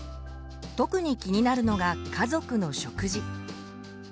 特に気になるのが家族の食事。